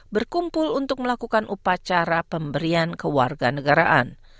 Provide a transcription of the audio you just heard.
berkumpul untuk melakukan upacara pemberian ke warga negaraan